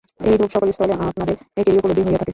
এইরূপ সকল স্থলে আপনাদের একেরই উপলব্ধি হইয়া থাকে।